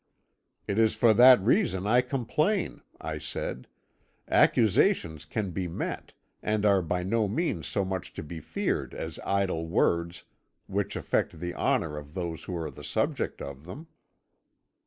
"'It is for that reason I complain,' I said; 'accusations can be met, and are by no means so much to be feared as idle words which affect the honour of those who are the subject of them.'